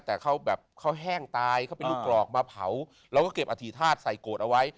แต่เขาแบบเขาแห้งตายเขาเป็นลูกกรอกมาเผาเราก็เก็บอธิษฐาตุใส่โกรธเอาไว้